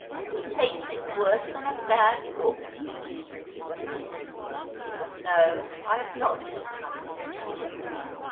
He hates it worse than a bad cook." "No, I have not taken up religion."